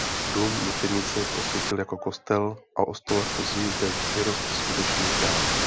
Dům mučednice posvětil jako kostel a o sto let později zde vyrostl skutečný chrám.